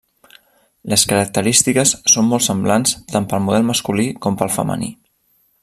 Les característiques són molt semblants tant pel model masculí com pel femení.